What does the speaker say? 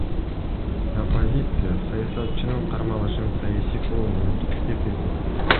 Оппозиция саясатчынын кармалышын саясий куугунтук деп эсептейт.